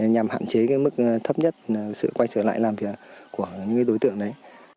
nhằm hạn chế mức thấp nhất sự quay trở lại làm việc của những đối tượng đấy